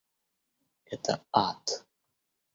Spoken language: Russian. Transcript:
Это — ад!